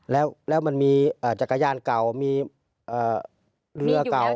แล้วมันมีจักรยานเก่ามีเรือเก่า